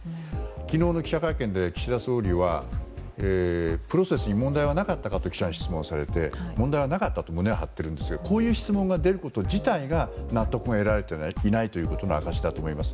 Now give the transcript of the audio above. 昨日の記者会見で岸田総理はプロセスに問題はなかったかと記者に質問をされて問題はなかったと胸を張ってるんですがこういう質問が出ること自体が納得が得られていないことの証しだと思います。